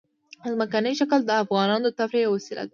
ځمکنی شکل د افغانانو د تفریح یوه وسیله ده.